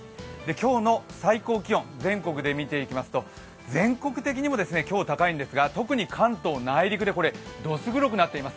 今日の最高気温、全国で見ていきますと、全国的にも今日は高いんです。